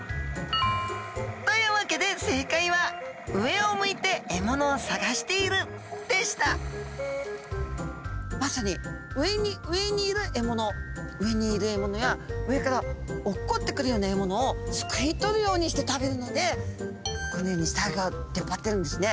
というわけでまさに上に上にいる獲物上にいる獲物や上から落っこってくるような獲物をすくい取るようにして食べるのでこのように下あギョが出っ張ってるんですね。